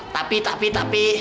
tapi tapi tapi